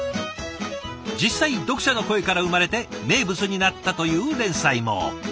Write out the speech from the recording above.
実際読者の声から生まれて名物になったという連載も。